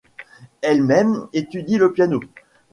Elle-même étudie le piano.